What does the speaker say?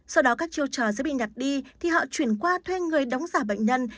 sau đó các chiêu trò sẽ bị nhặt đi thì họ chuyển qua thuê người đóng giả bệnh nhân